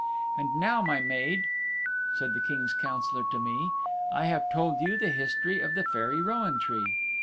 And now, my maid, said the King's Councillor to me, I have told you the history of the Fairy Rowan Tree.